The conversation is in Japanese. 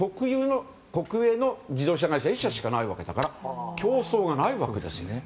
国営の自動車会社の１社しかないわけだから競争がないわけです。